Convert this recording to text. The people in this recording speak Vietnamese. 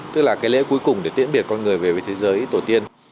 tức là cái lễ cuối cùng để tiễn biệt con người về với thế giới tổ tiên